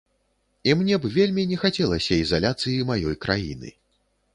І мне б вельмі не хацелася ізаляцыі маёй краіны.